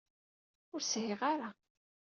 Ur shiɣ ara.